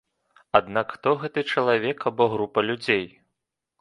Аднак хто гэты чалавек або група людзей?